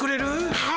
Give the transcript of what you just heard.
はい。